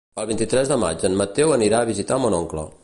El vint-i-tres de maig en Mateu anirà a visitar mon oncle.